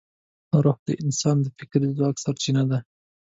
روح د انسان د فکري ځواک سرچینه ده.